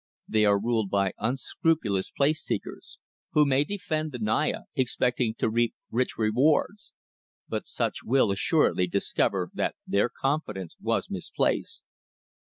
They are ruled by unscrupulous place seekers, who may defend the Naya, expecting to reap rich rewards; but such will assuredly discover that their confidence was misplaced.